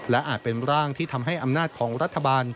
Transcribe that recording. และอาจเป็นร่างที่ทำให้อำนาจของรัฐบาล